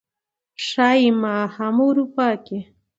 ښايي ما هم اروپا کې